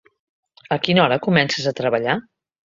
A quina hora comences a treballar?